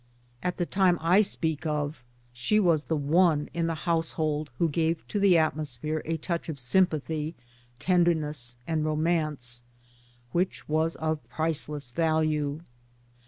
At the time I speak of she was the one in the household who gave to the atmosphere a touch of sympathy, tenderness and romance ; which was of priceless value.